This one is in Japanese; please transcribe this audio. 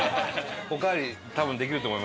おかわり多分できると思いますよ。